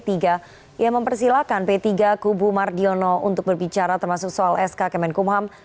ia mempersilahkan p tiga kubu mardiono untuk berbicara termasuk soal sk kemenkumham